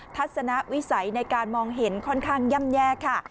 ทัศนวิสัยในการมองเห็นค่อนข้างย่ำแย่ค่ะ